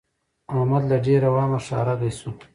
احمد له ډېره وهمه ښارګی شو.